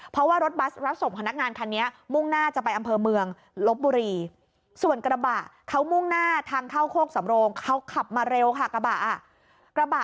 เพราะว่ารถบัสรับส่งพนักงานคันนี้มุ่งหน้าจะไปอำเภอเมืองลบบุรีส่วนกระบะเขามุ่งหน้าทางเข้าโคกสำโรงเขาขับมาเร็วค่ะกระบะ